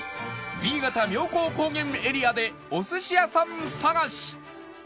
新潟妙高高原エリアでお寿司屋さん探し